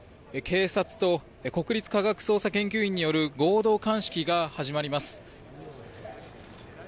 警察と国立科学捜査研究員による合同鑑識が始まります。